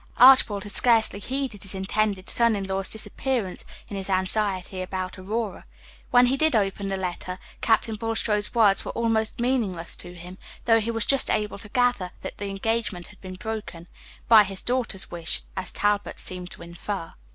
Archibald had scarcely heeded his intended son in law's disappearance in his anxiety about Aurora. When he did open the letter, Captain Bulstrode's words were almost meaningless to him, though he was just able to gather that the engagement had been broken by his daughter's wish, as Talbot seemed to infer.